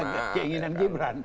oh jadi ada keinginan gibran